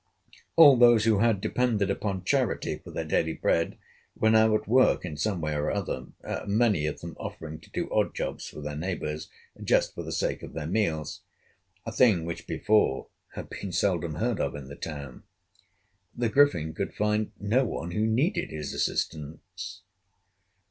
All those who had depended upon charity for their daily bread were now at work in some way or other; many of them offering to do odd jobs for their neighbors just for the sake of their meals, a thing which before had been seldom heard of in the town. The Griffin could find no one who needed his assistance.